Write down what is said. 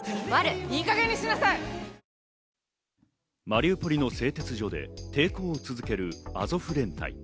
マリウポリの製鉄所で抵抗を続けるアゾフ連隊。